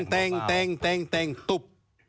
เต็งเต็งตุ๊บ